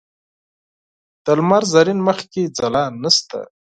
د لمر زرین مخ کې ځلا نشته